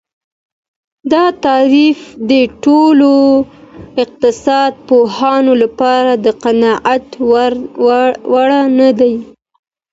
دا تعريف د ټولو اقتصاد پوهانو لپاره د قناعت وړ نه دی.